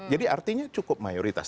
jadi artinya cukup mayoritas